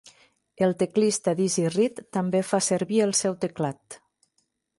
El teclista Dizzy Reed també fa servir el seu teclat.